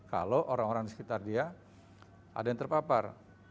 kalau orang orang di sekitar dia ada yang terpapar